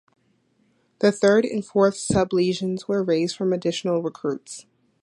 The Third and Fourth Sub-Legions were raised from additional recruits.